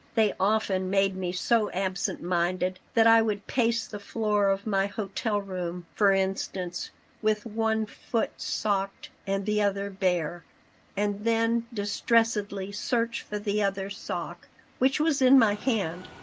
They often made me so absent minded that I would pace the floor of my hotel room, for instance, with one foot socked and the other bare, and then distressedly search for the other sock, which was in my hand.